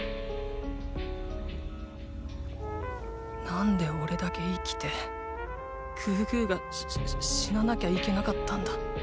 なんでおれだけ生きてグーグーが死ななきゃいけなかったんだ？